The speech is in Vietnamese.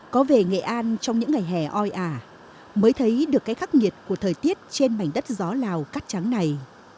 có về nghệ an trong những ngày hè oi ả mới thấy được cái khắc nghiệt của thời tiết trên mảnh đất gió lào cắt trắng này